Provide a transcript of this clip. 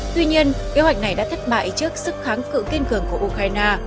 tuy nhiên kế hoạch này đã thất bại trước sức kháng cự kiên cường của ukraine